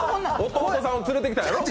弟さんを連れてきたやろ？